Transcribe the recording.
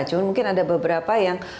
cuma mungkin ada beberapa yang